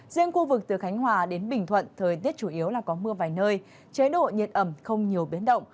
riêng khu vực từ khánh hòa đến bình thuận thời tiết chủ yếu là có mưa vài nơi chế độ nhiệt ẩm không nhiều biến động